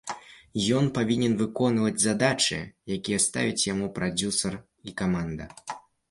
Ён павінен выконваць задачы, якія ставіць яму прадзюсар і каманда.